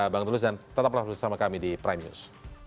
bang tulus dan tetaplah bersama kami di prime news